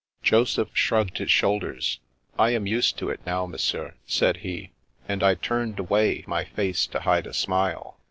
Joseph shrugged his shoulders. " I am used to it now, Monsieur," said he ; and I turned away my face to hide a smile.